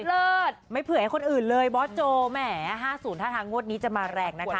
เลิศไม่เผื่อให้คนอื่นเลยบอสโจแหม๕๐ท่าทางงวดนี้จะมาแรงนะคะ